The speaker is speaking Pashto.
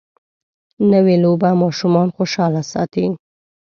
نوې لوبه ماشومان خوشحاله ساتي